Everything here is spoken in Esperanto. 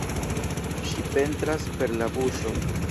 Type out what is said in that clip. Ŝi pentras per la buŝo.